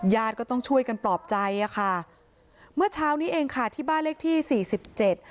ญาติก็ต้องช่วยกันปลอบใจอ่ะค่ะเมื่อเช้านี้เองค่ะที่บ้านเลขที่สี่สิบเจ็ด